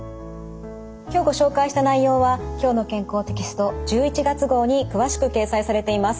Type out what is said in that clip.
今日ご紹介した内容は「きょうの健康」テキスト１１月号に詳しく掲載されています。